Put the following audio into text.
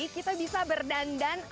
kita bisa berdandan alat kaki gunung merapi